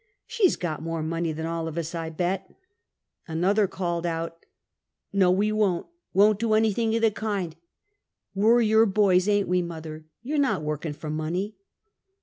She 's got more money than all of us, I bet !" Another called out: 328 Half a Centuet. " "No, we won't ! "Won't do anything of the kind ! We're your boys; ain't we, mother? You're not working for money!